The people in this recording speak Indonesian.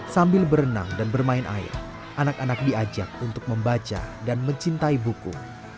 sambil berenang dan bermain air anak anak diajak untuk membaca dan mencintai buku